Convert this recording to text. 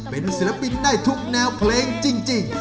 เป็นศิลปินได้ทุกแนวเพลงจริง